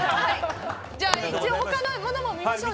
一応他のものも見ましょう。